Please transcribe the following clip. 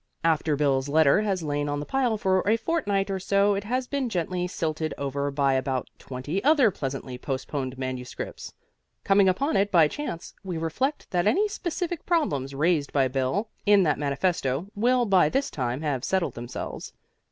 After Bill's letter has lain on the pile for a fortnight or so it has been gently silted over by about twenty other pleasantly postponed manuscripts. Coming upon it by chance, we reflect that any specific problems raised by Bill in that manifesto will by this time have settled themselves.